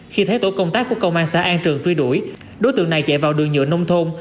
khi thấy tổ công tác của công an xã an trường truy đuổi đối tượng này chạy vào đường nhựa nông thôn